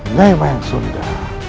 nyai mayang sunda